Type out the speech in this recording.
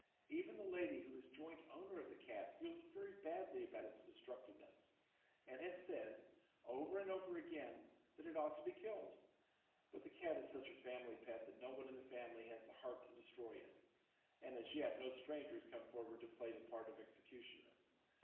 Even the lady who is joint owner of the cat feels very badly about its destructiveness, and has said, over and over again, that it ought to be killed; but the cat is such a family pet that no one in the family has the heart to destroy it, and as yet no stranger has come forward to play the part of executioner.